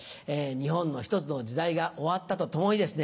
日本のひとつの時代が終わったとともにですね